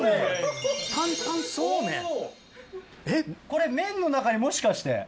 これ麺の中にもしかして。